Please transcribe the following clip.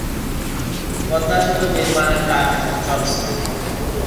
পদ্মা সেতু নির্মাণের কাজ এখন চলছে।